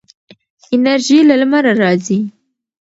انرژي له لمره راځي.